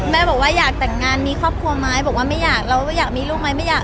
แม่บอกว่าอยากแต่งงานมีครอบครัวไหมบอกว่าไม่อยากเราอยากมีลูกไหมไม่อยาก